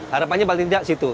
harapannya paling tidak situ